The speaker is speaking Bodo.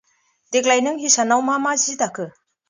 देग्लाय नों हिसानाव मा मा जि दाखो?